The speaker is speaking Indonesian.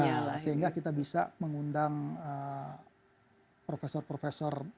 iya sehingga kita bisa mengundang profesor profesor